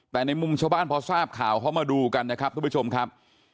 แต่ในมุมชาวบ้านพอทราบข่าวเขามาดูกันนะครับทุกผู้ชมครับ